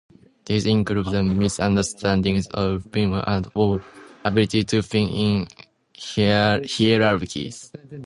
These include the misunderstandings of vehemence and of the ability to think in hierarchies.